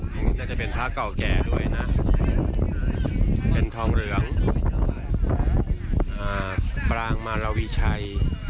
นี่น่าจะเป็นพระเก่าแก่ด้วยนะเป็นทองเหลืองปรางมารวีชัย